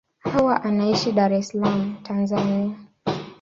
Hawa anaishi Dar es Salaam, Tanzania.